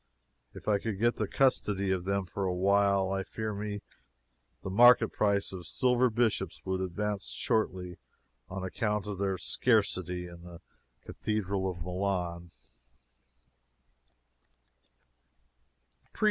If I could get the custody of them for a while, I fear me the market price of silver bishops would advance shortly, on account of their exceeding scarcity in the Cathedral of Milan.